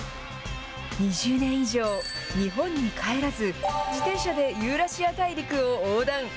２０年以上、日本にも帰らず、自転車でユーラシア大陸を横断。